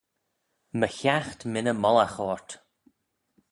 My hiaght mynney mollagh ort.